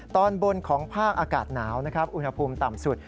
ตอนบนของภาคอากาศหนาวนะครับอุณหภูมิต่ำสุด